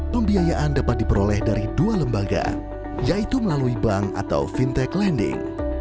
pembiayaan dapat diperoleh dari dua lembaga yaitu melalui bank atau fintech lending